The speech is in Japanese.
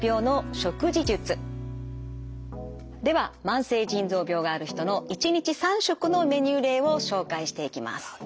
では慢性腎臓病がある人の１日３食のメニュー例を紹介していきます。